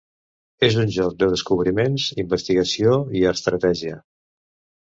És un joc de descobriments, investigació i estratègia.